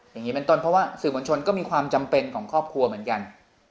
อย่างนี้เป็นต้นเพราะว่าสื่อมวลชนก็มีความจำเป็นของครอบครัวเหมือนกัน